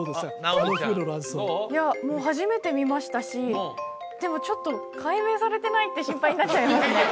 あのふぐの卵巣いやもう初めて見ましたしでもちょっと解明されてないって心配になっちゃいますね